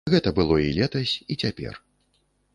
Гэта было і летась, і цяпер.